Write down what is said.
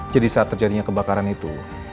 jadi saat terjadinya kebakaran itu